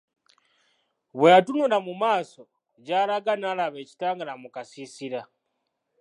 Bwe yatunula mu maaso gy'alaga n'alaba ekitangaala mu kasiisira.